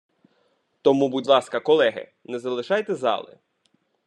Тому, будь ласка, колеги, не залишайте зали!